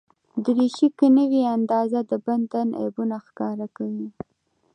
دریشي که نه وي اندازه، د بدن عیبونه ښکاره کوي.